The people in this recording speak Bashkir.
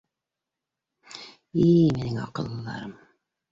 — И-и-и, минең аҡыллыларым!